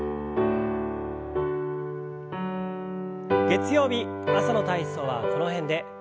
月曜日朝の体操はこの辺で。